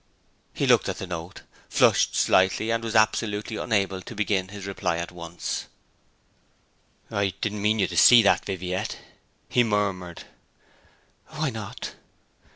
He looked at the note, flushed slightly, and was absolutely unable to begin his reply at once. 'I did not mean you to see that, Viviette,' he murmured. 'Why not?'